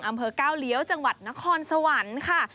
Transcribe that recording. อำเภอก้าวเลี้ยวจังหวัดนครสวรรค์ค่ะ